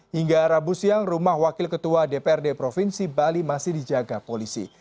hingga rabu siang rumah wakil ketua dprd provinsi bali masih dijaga polisi